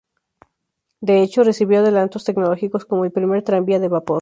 De hecho, recibió adelantos tecnológicos como el primer tranvía de vapor.